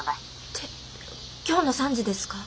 てっ今日の３時ですか？